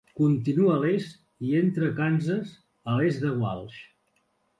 Continua a l'est i entra a Kansas a l'est de Walsh.